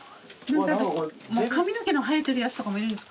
髪の毛の生えてるやつとかもいるんです。